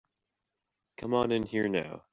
Come on in here now.